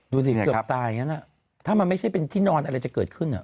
ดูสิเกือบตายอย่างนั้นถ้ามันไม่ใช่เป็นที่นอนอะไรจะเกิดขึ้น